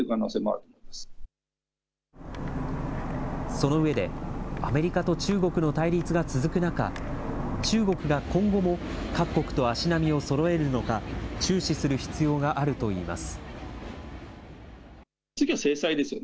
その上で、アメリカと中国の対立が続く中、中国が今後も各国と足並みをそろえるのか注視する必要があるといいます。